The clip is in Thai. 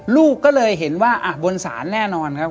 ลูกก็เลยเห็นว่าบนศาลแน่นอนครับ